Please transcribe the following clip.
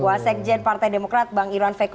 buah sekjen partai demokrat bang irwan feko